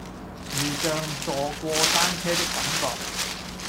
如像坐過山車的感覺